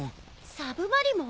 サブマリモン？